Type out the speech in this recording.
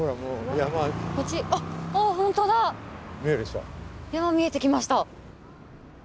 山見えてきました。